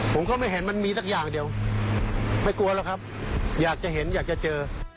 ผมก็ไม่เห็นมันมีสักอย่างเดียวไม่กลัวหรอกครับอยากจะเห็นอยากจะเจอ